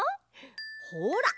ほら！